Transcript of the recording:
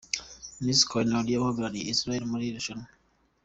Miss Karin Alia uhagarariye Israel muri iri rushanwa.